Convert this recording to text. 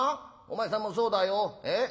お前さんもそうだよ。え？